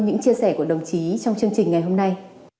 những chia sẻ của đồng chí trong chương trình ngày hôm nay